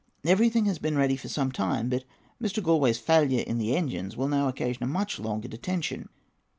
Everything has been ready for some time; but Mr. Galloway's failure in the engines will now occasion a much longer detention.